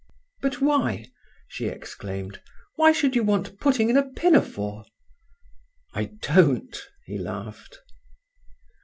"But why?" she exclaimed. "Why should you want putting in a pinafore?" "I don't," he laughed.